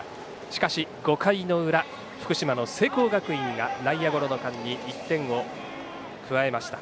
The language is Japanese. しかし、５回の裏福島の聖光学院が内野ゴロの間に１点を加えました。